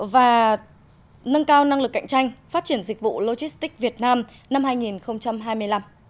và nâng cao năng lực cạnh tranh phát triển dịch vụ logistics việt nam năm hai nghìn hai mươi năm